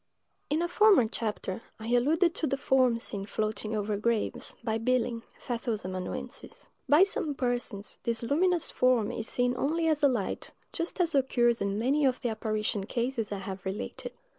IN a former chapter, I alluded to the forms seen floating over graves, by Billing, Pfeffel's amanuensis. By some persons, this luminous form is seen only as a light, just as occurs in many of the apparition cases I have related.